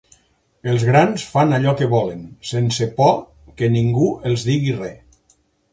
Els grans fan allò que volen, sense por que ningú els digui res.